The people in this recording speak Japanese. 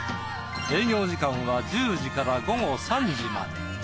営業時間は１０時から午後３時まで。